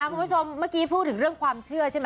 คุณผู้ชมเมื่อกี้พูดถึงเรื่องความเชื่อใช่ไหม